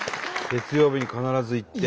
月曜日に必ず行って。